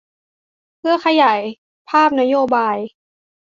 เพื่อขยายภาพนโยบาย